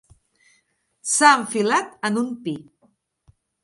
S'ha enfilat en un pi.